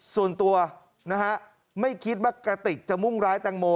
ส่วนตัวนะฮะไม่คิดว่ากระติกจะมุ่งร้ายแตงโม